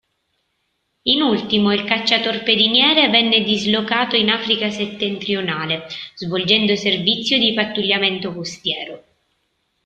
In ultimo il cacciatorpediniere venne dislocato in Africa settentrionale, svolgendo servizio di pattugliamento costiero.